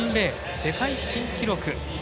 世界新記録。